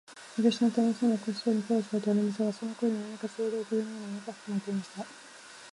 明智探偵も、さもおかしそうに、声をそろえて笑いましたが、その声には、何かするどいとげのようなものがふくまれていました。